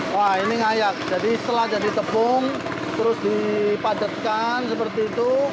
wah ini ngayak jadi setelah jadi tepung terus dipadatkan seperti itu